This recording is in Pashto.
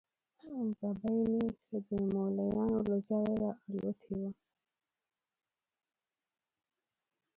ببۍ مې که د مولیانو له ځالې را الوتې وه.